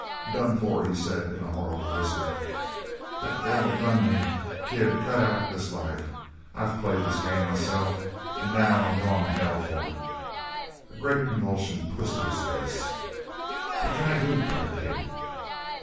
"Done for," he said in a horrible whisper, "that devil done me. Kid cut out this life. I've played this game myself an' now I'm goin' to hell for it!" A great convulsion twisted his face. "What can I do?" cried Kate.